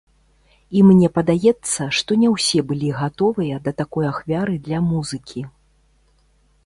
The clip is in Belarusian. І мне падаецца, што не ўсе былі гатовыя да такой ахвяры для музыкі.